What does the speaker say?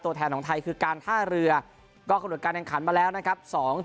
แทนของไทยคือการท่าเรือก็กำหนดการแข่งขันมาแล้วนะครับ